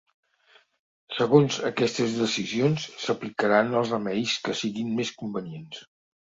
Segons aquestes decisions s’aplicaran els remeis que siguin més convenients.